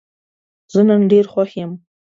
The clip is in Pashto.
زه نن ډېر خوښ یم.